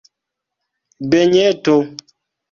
benjeto